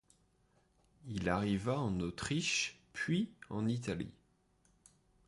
Il arriva en Autriche, puis en Italie.